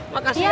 makasih ya bu